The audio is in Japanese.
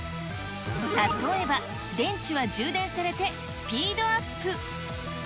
例えば、電池は充電されてスピードアップ。